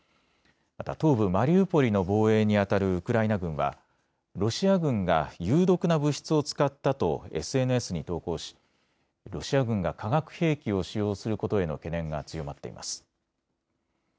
また東部マリウポリの防衛にあたるウクライナ軍はロシア軍が有毒な物質を使ったとＳＮＳに投稿しロシア軍が化学兵器を使用することへの懸念が強まっています。